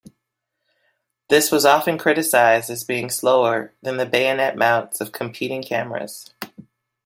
This was often criticized as being slower than the bayonet mounts of competing cameras.